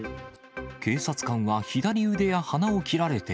警察官は左腕や鼻を切られて、